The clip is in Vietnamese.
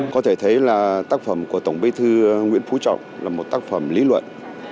có thể thấy là tác phẩm của tổng bế thư nguyễn phú trọng là một tác phẩm lý luận